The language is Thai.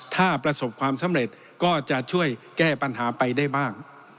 ถ้าประสบความสำเร็จก็จะช่วยแก้ปัญหาไปได้บ้าง